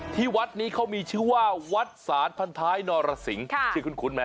ที่วัดนี้เขามีชื่อว่าวัดศาลพันท้ายนรสิงชื่อคุ้นไหม